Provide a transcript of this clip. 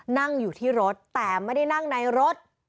นั่งอยู่ที่รถแต่ไม่ได้นั่งในรถ